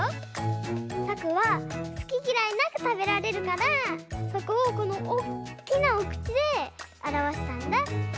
さくはすききらいなくたべられるからそこをこのおっきなおくちであらわしたんだ！